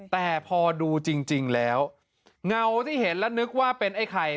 แต่พอดูจริงแล้วเงาที่เห็นแล้วนึกว่าเป็นไอ้ไข่